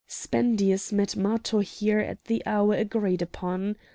Spendius met Matho here at the hour agreed upon.